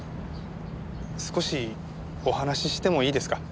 少しお話ししてもいいですか？